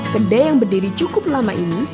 kenda yang berdiri cukup lama ini